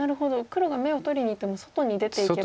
黒が眼を取りにいっても外に出ていけば。